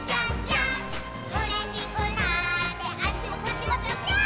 「うれしくなってあっちもこっちもぴょぴょーん」